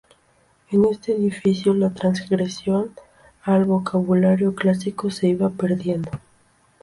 En este edificio la transgresión al vocabulario clásico se iba perdiendo.